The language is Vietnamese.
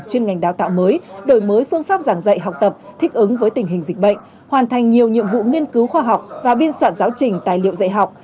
chuyên ngành đào tạo mới đổi mới phương pháp giảng dạy học tập thích ứng với tình hình dịch bệnh hoàn thành nhiều nhiệm vụ nghiên cứu khoa học và biên soạn giáo trình tài liệu dạy học